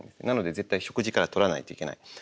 なので絶対食事からとらないといけない。